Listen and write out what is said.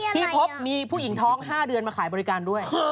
ที่พบมีผู้หญิงท้อง๕เดือนมาขายบริการด้วย